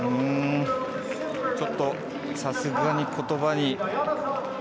ちょっと、さすがに言葉に。